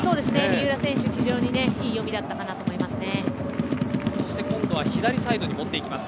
三浦選手、非常にいい読みだったと思いますね。